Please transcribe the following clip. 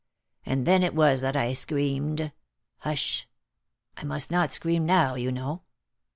and then it was that I screamed— hush ! I must not scream now, you know